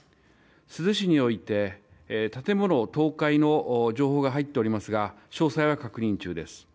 珠洲市において建物倒壊の情報が入っておりますが詳細は確認中です。